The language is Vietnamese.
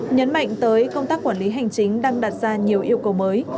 nhấn mạnh tới công tác quản lý hành chính đang đặt ra nhiều yêu cầu mới